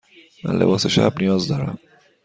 من لباس شب نیاز دارم.